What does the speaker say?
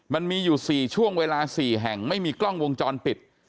มันมีอยู่๔ช่วงเวลา๔แห่งไม่มีกล้องวงจรปิด